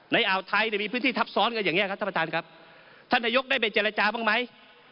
อ่าวไทยเนี่ยมีพื้นที่ทับซ้อนกันอย่างนี้ครับท่านประธานครับท่านนายกได้ไปเจรจาบ้างไหม